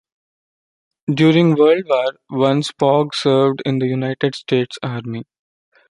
During World War One Spaugh served in the United States Army.